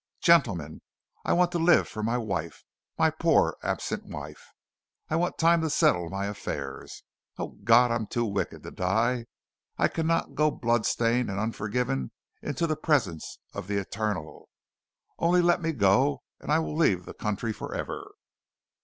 Gentlemen! I want to live for my wife my poor absent wife! I want time to settle my affairs! O God! I am too wicked to die. I cannot go bloodstained and unforgiven into the presence of the Eternal! Only let me go, and I will leave the country forever!"